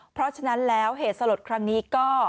เพราะฉะนั้นแล้วเหตุสลดครั้งนี้ก็